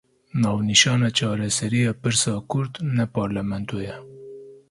Navnîşana çareseriya Pirsa Kurd ne parlamento ye.